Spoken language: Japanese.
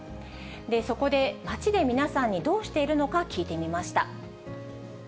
そこで、街で皆さんにどうしているのか聞いてみました。